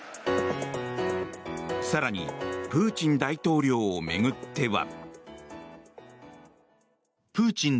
更にプーチン大統領を巡っては。